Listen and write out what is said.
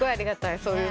そういうの。